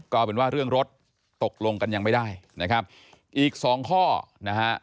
ก็เป็นว่าเรื่องรถตกลงกันยังไม่ได้นะครับอีกสองข้อนะฮะ